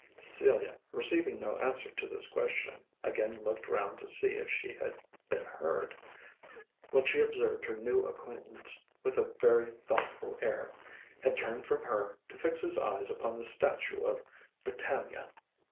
Cecilia, receiving no answer to this question, again looked round to see if she had been heard; when she observed her new acquaintance, with a very thoughtful air, had turned from her to fix his eyes upon the statue of Britannia.